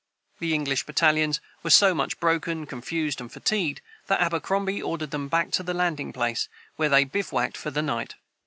The English battalions were so much broken, confused, and fatigued, that Abercrombie ordered them back to the landing place, where they bivouacked for the night.